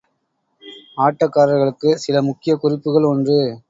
ஆட்டக்காரர்களுக்கு சில முக்கிய குறிப்புகள் ஒன்று.